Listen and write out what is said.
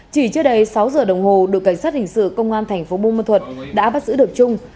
chỉ trước đây sáu giờ đồng hồ đội cảnh sát hình sự công an thành phố bông ma thuật đã bắt giữ được trung